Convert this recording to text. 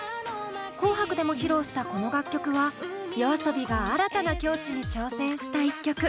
「紅白」でも披露したこの楽曲はＹＯＡＳＯＢＩが新たな境地に挑戦した一曲。